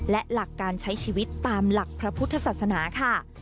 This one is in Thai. และหลักการใช้ชีวิตตามหลักพระพุทธศาสนาค่ะ